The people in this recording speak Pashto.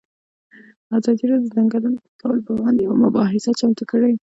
ازادي راډیو د د ځنګلونو پرېکول پر وړاندې یوه مباحثه چمتو کړې.